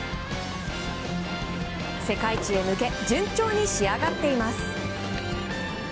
世界一へ向け順調に仕上がっています。